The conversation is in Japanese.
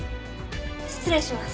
失礼します。